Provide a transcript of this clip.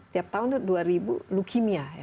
tiap tahun itu dua ribu leukemia ya